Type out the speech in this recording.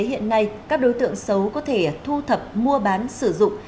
hiện nay các đối tượng xấu có thể thu thập mua bán sử dụng